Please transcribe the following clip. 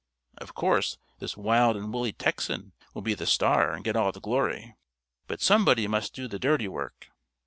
Of course, this wild and woolly Texan will be the star and get all the glory, but somebody must do the dirty work.